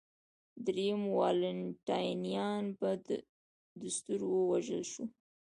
درېیم والنټینیان په دستور ووژل شو